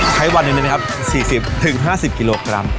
ไข้วันนี้ฟะครับ๔๐๕๐กิโลกรัม